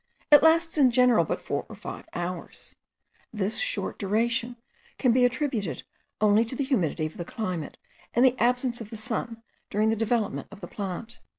It lasts in general but four or five hours. This short duration can be attributed only to the humidity of the climate, and the absence of the sun during the development of the plant.